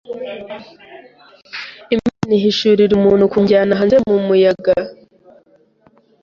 Imana ihishurira umuntu kunjyana hanze mu muyaga